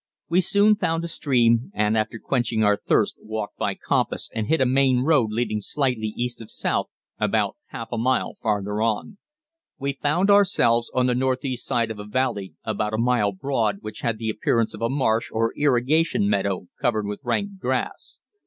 We soon found a stream, and after quenching our thirst walked by compass and hit a main road leading slightly east of south about half a mile farther on. We found ourselves on the northeast side of a valley about a mile broad which had the appearance of a marsh or irrigation meadow covered with rank grass.